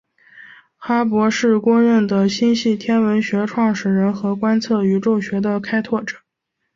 哈勃是公认的星系天文学创始人和观测宇宙学的开拓者。